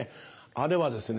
あれはですね